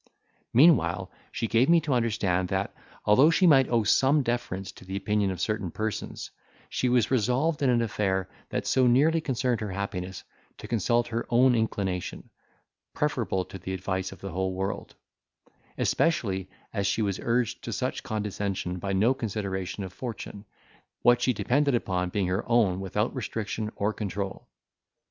Meanwhile she gave me to understand that, although she might owe some deference to the opinion of certain persons, she was resolved, in an affair that so nearly concerned her happiness, to consult her own inclination, preferable to the advice of the whole world; especially as she was urged to such condescension by no consideration of fortune, what she depended upon being her own without restriction or control.